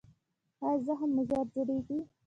ایا زخم مو ژر جوړیږي؟